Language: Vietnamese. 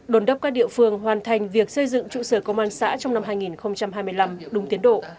đồn đốc các địa phương hoàn thành việc xây dựng trụ sở công an xã trong năm hai nghìn hai mươi năm đúng tiến độ